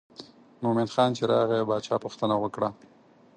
مومن خان چې راغی باچا پوښتنه وکړه.